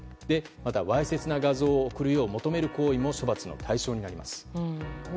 また、わいせつな画像を送るよう求める行為も処罰の対象になります。